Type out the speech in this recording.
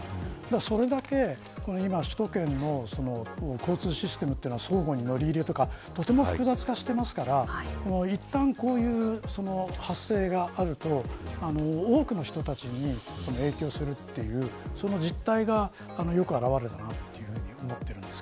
それだけ、首都圏の交通システムというのは相互に乗り入れとかとても複雑化しているのでいったん、こういう発生があると多くの人たちに影響するというその実態がよく表れているというふうに思います。